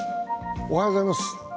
おはようございます。